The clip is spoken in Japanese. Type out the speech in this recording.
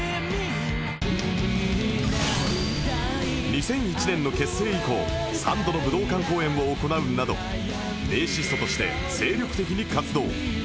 ２００１年の結成以降３度の武道館公演を行うなどベーシストとして精力的に活動